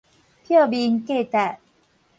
票面價值